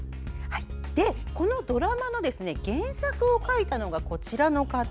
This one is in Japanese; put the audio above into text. このドラマの原作を書いたのは、こちらの方。